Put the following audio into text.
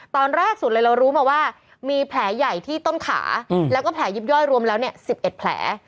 ตอนแรกสุดเลยเรารู้มาว่ามีแผลใหญ่ที่ต้นขาแล้วก็แผลยิบย่อยรวมแล้ว๑๑แผล